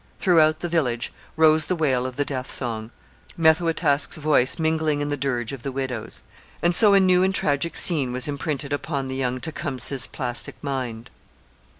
Throughout the village rose the wail of the death song, Methoataske's voice mingling in the dirge of the widows; and so a new and tragic scene was imprinted upon the young Tecumseh's plastic mind.